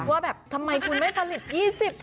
ว่าแบบทำไมคุณไม่ผลิต๒๐บาท